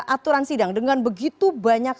aturan sidang dengan begitu banyak